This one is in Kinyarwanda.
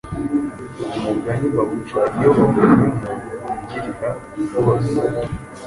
Uyu mugani bawuca iyo babonye umuntu wangirira gukora